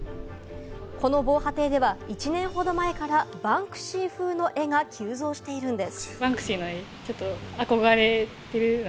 この防波堤では１年ほど前からバンクシー風の絵が急増しているのです。